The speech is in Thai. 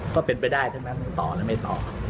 ก็เป็นไปได้ใช่ไหมครับต่อแล้วไม่ต่อ